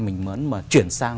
mình muốn mà chuyển sang